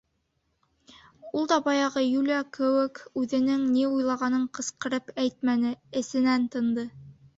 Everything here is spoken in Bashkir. Ул да баяғы Юлия кеүек үҙенең ни уйлағанын ҡысҡырып әйтмәне, эсенән тынды.